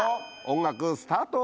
音楽スタート。